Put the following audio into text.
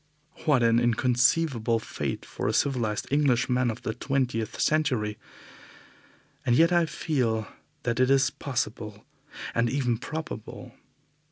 What an inconceivable fate for a civilized Englishman of the twentieth century! And yet I feel that it is possible and even probable.